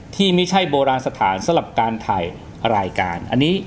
ที่ไม่ใช่โบราณสถานสำหรับการถ่ายรายการ